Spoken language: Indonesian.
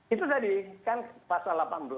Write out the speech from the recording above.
itu tadi kan pasal delapan belas